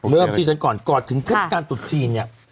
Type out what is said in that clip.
เริ่มที่ฉันก่อนก่อนถึงเทศกาลตรุษจีนเนี่ย